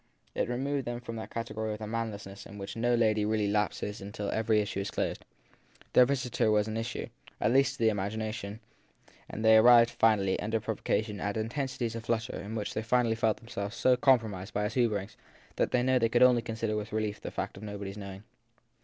It removed them from that category of the manless into which no lady really lapses till every issue is closed. Their visitor was an issue at least to the imagina tion, and they arrived finally, under provocation, at intensities of flutter in which they felt themselves so compromised by his hoverings that they could only consider with relief the fact of nobody s knowing.